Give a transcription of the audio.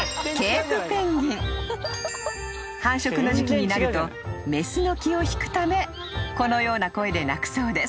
［繁殖の時期になるとメスの気を引くためこのような声で鳴くそうです］